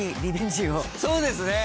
そうですね。